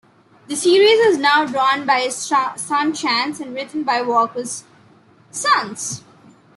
The series is now drawn by his son Chance and written by Walker's sons.